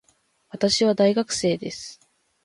私は大学生です